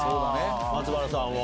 松原さんを。